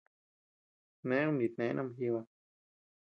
Neʼë kunitnee noo ama jiiba.